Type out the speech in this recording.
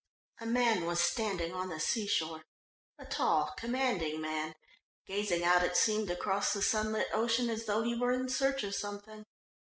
A man was standing on the sea shore, a tall, commanding man, gazing out it seemed across the sunlit ocean as though he were in search of something.